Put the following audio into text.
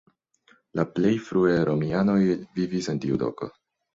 La plej frue romianoj vivis en tiu loko.